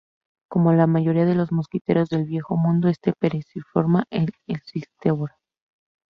Como la mayoría de los mosquiteros del Viejo Mundo, este paseriforme es insectívoro.